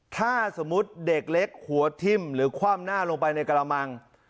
ถ้าสมมุติเด็กเล็กหัวทิ้มหรือคว่ำหน้าลงไปในกระมัง